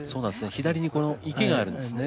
左に池があるんですね。